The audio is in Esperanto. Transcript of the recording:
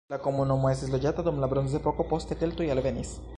La komunumo estis loĝata dum la bronzepoko, poste keltoj alvenis.